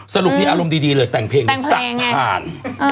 สรุปนี้อารมณ์ดีเลยแต่งเพลงสะพาน